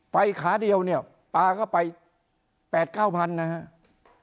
ขาเดียวเนี่ยปลาก็ไป๘๙พันนะครับ